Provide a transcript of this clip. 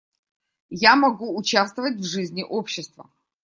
Я могу участвовать в жизни общества.